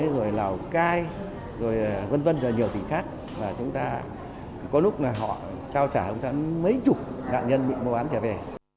rồi lào cai rồi vân vân rồi nhiều tỉnh khác và chúng ta có lúc là họ trao trả chúng ta mấy chục nạn nhân bị mua bán trả về